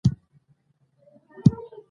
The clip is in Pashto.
او په قرعه کشي کي ماته د مخ خوا راوتلي ده